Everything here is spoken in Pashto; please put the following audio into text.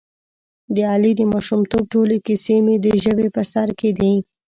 د علي د ماشومتوب ټولې کیسې مې د ژبې په سر کې دي.